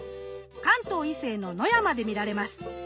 関東以西の野山で見られます。